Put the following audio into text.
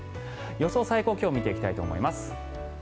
予想最高気温見ていきたいと思います。